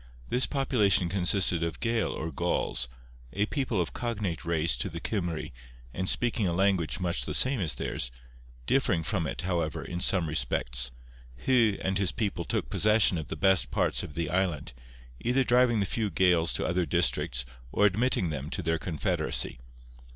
This population consisted of Gael or Gauls, a people of cognate race to the Cymry, and speaking a language much the same as theirs, differing from it, however, in some respects. Hu and his people took possession of the best parts of the island, either driving the few Gaels to other districts or admitting them to their confederacy.